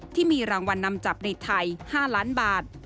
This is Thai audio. ที่มีรางวัลนำจับในไทย๕ล้านบาท